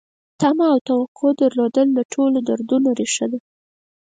تمه او توقع درلودل د ټولو دردونو ریښه ده.